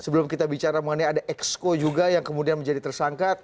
sebelum kita bicara mengenai ada exco juga yang kemudian menjadi tersangka